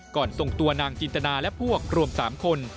ส่งตัวนางจินตนาและพวกรวม๓คน